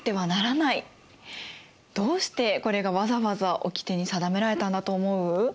どうしてこれがわざわざおきてに定められたんだと思う？